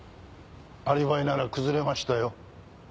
アリバイなら崩れましたよ。